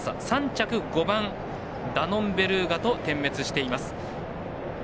３着、５番、ダノンベルーガと点滅しています。